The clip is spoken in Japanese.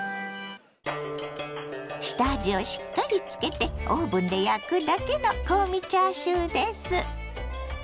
下味をしっかりつけてオーブンで焼くだけの香味チャーシューです。